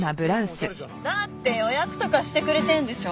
だって予約とかしてくれてるんでしょ？